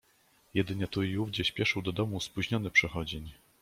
"Jedynie tu i ówdzie śpieszył do domu spóźniony przechodzień."